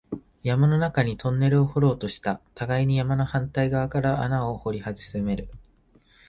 山の中にトンネルを掘ろうとした、互いに山の反対側から穴を掘り進める